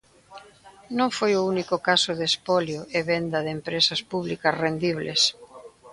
Non foi o único caso de espolio e venda de empresas públicas rendibles.